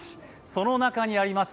その中にあります